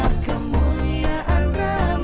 itulah kemuliaan ramadhan